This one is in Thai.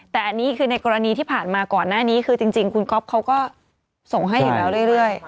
แต่อันนี้คือในกรณีที่ผ่านมาก่อนหน้านี้คือจริงคุณก๊อฟเขาก็ส่งให้อยู่แล้วเรื่อย